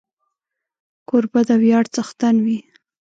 کوربه د ویاړ څښتن وي.